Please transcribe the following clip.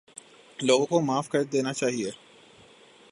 لوگوں کو معاف کر دینا چاہیے